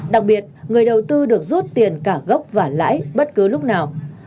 đặc biệt người đầu tư được rút tiền cả gốc và lãi bất cứ lúc nào